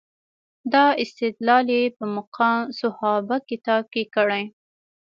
دا استدلال یې په مقام صحابه کتاب کې کړی.